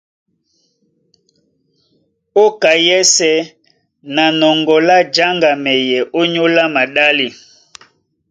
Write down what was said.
Ó ka yɛ́sɛ̄ na nɔŋgɔ lá jáŋgamɛyɛ ónyólá maɗále,